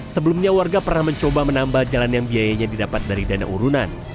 sebelumnya warga pernah mencoba menambah jalan yang biayanya didapat dari dana urunan